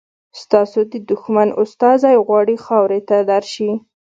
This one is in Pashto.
ستاسو د دښمن استازی غواړي خاورې ته درشي.